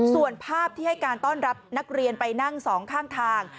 ส่วนภาพที่ให้การต้อนรับนักเรียนไปนั่งสองข้างทาง